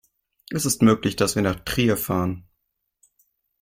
Es ist möglich, dass wir nach Trier fahren